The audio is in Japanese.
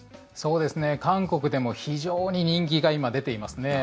韓国でも非常に人気が今、出ていますね。